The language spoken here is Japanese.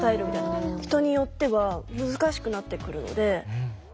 人によっては難しくなってくるので。